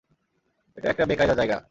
এটা একটা বেকায়দা জায়গা।